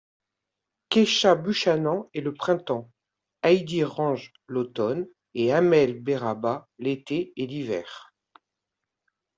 Keisha Buchanan est le printemps, Heidi Range l'automne, et Amelle Berrabah l'été et l'hiver.